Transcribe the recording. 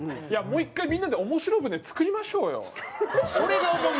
いやもう１回みんなでオモシロ船作りましょうよ。